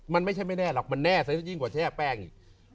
มันไม่ใช่ไม่แน่หรอกมันแน่ซะยิ่งกว่าแช่แป้งอีก